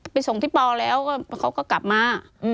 ส่งพี่ปอแล้วเขาก็กลับมา